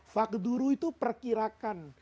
fakduru itu perkirakan